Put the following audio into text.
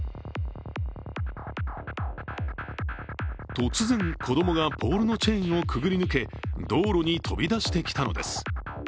突然、子供がポールのチェーンをくぐり抜け、道路に飛び出してきたのです。